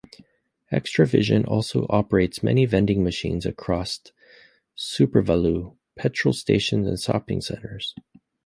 Xtra-Vision also operates many vending machines across SuperValu, petrol stations and shopping centres.